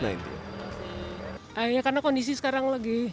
akhirnya karena kondisi sekarang lagi